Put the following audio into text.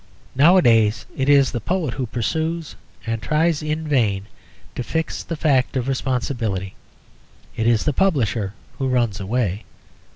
Nowadays it is the poet who pursues and tries in vain to fix the fact of responsibility. It is the publisher who runs away.